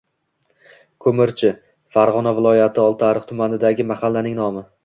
Ko‘mirchi - Farg‘ona viloyati Oltiariq tumanidagi mahallaning nomi.